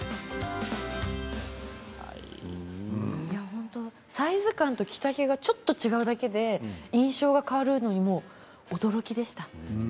本当にサイズ感と着丈がちょっと違うだけで印象が変わるのに驚きました。